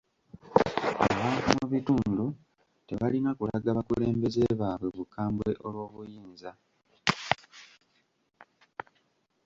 Abantu mu bitundu tebalina kulaga bakulembeze baabwe bukambwe olw'obuyinza.